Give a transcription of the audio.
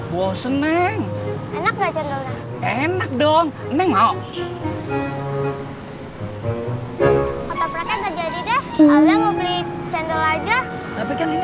bos neng enak nggak cendolnya enak dong